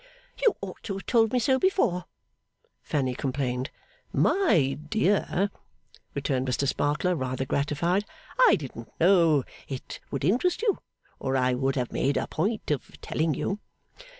'You ought to have told me so before,' Fanny complained. 'My dear,' returned Mr Sparkler, rather gratified, 'I didn't know It would interest you, or I would have made a point of telling you.